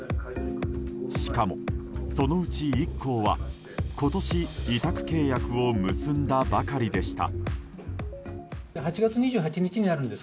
しかも、そのうち１校は今年委託契約を結んだばかりでした。